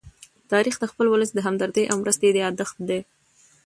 تاریخ د خپل ولس د همدردۍ او مرستې يادښت دی.